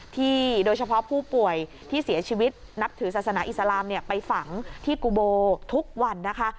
โดยเฉพาะผู้ป่วยที่เสียชีวิตนับถือศาสนาอิสลามไปฝังที่กุโบทุกวันนะคะ